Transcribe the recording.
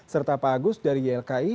serta pak agus dari ylki